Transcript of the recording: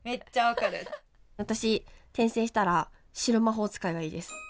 私転生したら白魔法使いがいいです。